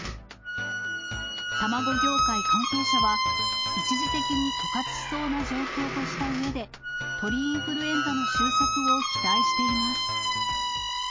卵業界関係者は、一時的に枯渇しそうな状況としたうえで、鳥インフルエンザの終息を期待しています。